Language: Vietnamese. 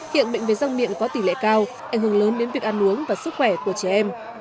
hiện bệnh về răng miệng có tỷ lệ cao ảnh hưởng lớn đến việc ăn uống và sức khỏe của trẻ em